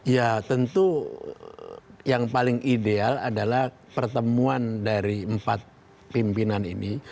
ya tentu yang paling ideal adalah pertemuan dari empat pimpinan ini